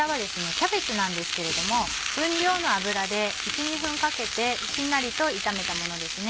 キャベツなんですけれども分量の油で１２分かけてしんなりと炒めたものですね。